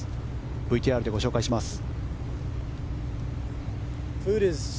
ＶＴＲでご紹介します。